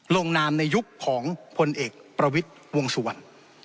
ลงนามในยุคของพลเอกประวิจวงสวน